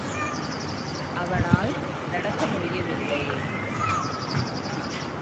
அவனால் நடக்க முடியவில்லை.